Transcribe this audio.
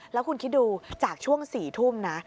แล้วคุณคิดดูจากช่วง๔ทุ่มนะ